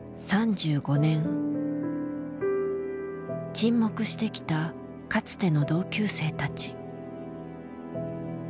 沈黙してきたかつての同級生たち。